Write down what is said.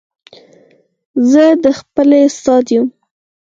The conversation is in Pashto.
زه د پخلي استاد یم